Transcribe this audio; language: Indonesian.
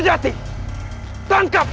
kamu yang ketawa